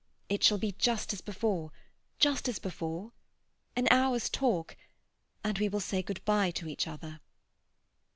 It shall be just as before—just as before. An hour's talk, and we will say good bye to each other."